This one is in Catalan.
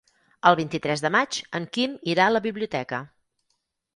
El vint-i-tres de maig en Quim irà a la biblioteca.